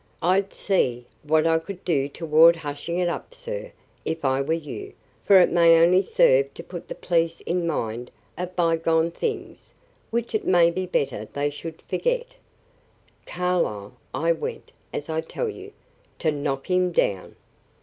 I'd see what I could do toward hushing it up, sir, if I were you, for it may only serve to put the police in mind of by gone things, which it may be better they should forget.' Carlyle, I went, as I tell you, to knock him down.